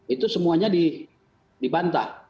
itu semuanya dibantah